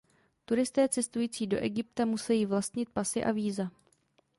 Turisté cestující do Egypta musejí vlastnit pasy a víza.